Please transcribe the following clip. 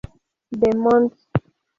De Moss.